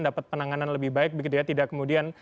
dapat penanganan lebih baik begitu ya tidak kemudian